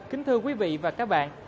kính thưa quý vị và các bạn